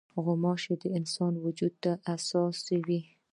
غوماشې د انسان وجود ته حساس وي.